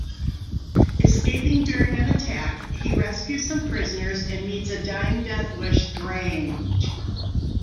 Escaping during an attack, he rescues some prisoners and meets a dying Deathwish Drang.